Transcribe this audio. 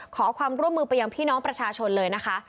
ขอความร่วมมือไปยังพี่น้องประชาชนเลยนะคะ